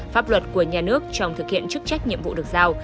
pháp luật của nhà nước trong thực hiện chức trách nhiệm vụ được giao